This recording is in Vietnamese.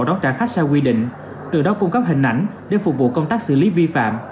đón trả khách sai quy định từ đó cung cấp hình ảnh để phục vụ công tác xử lý vi phạm